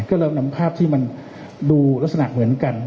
เราเรามนำภาพที่ท่านิดนึงดูรสนักเหมือนกัน